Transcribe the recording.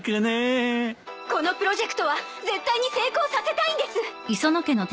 「このプロジェクトは絶対に成功させたいんです！」